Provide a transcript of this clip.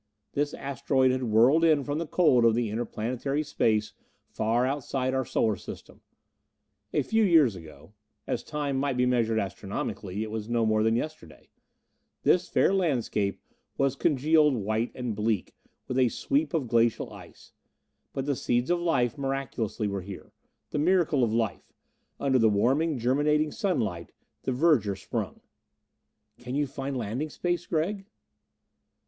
This asteroid had whirled in from the cold of the interplanetary space far outside our Solar System. A few years ago as time might be measured astronomically, it was no more than yesterday this fair landscape was congealed white and bleak, with a sweep of glacial ice. But the seeds of life miraculously were here. The miracle of life! Under the warming, germinating sunlight, the verdure sprung. "Can you find landing space, Gregg?"